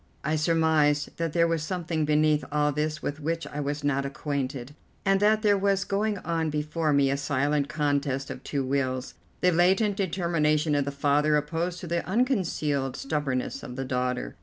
I surmised that there was something beneath all this with which I was not acquainted, and that there was going on before me a silent contest of two wills, the latent determination of the father opposed to the unconcealed stubbornness of the daughter.